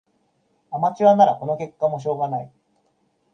アマチュアならこの結果もしょうがない